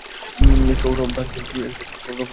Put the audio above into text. সৌরভ গাঙ্গুলীর আত্নীয়।